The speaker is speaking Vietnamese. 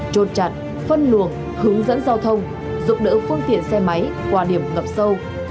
trôn chặt phân luồng hướng dẫn giao thông giúp đỡ phương tiện xe máy qua điểm ngập sâu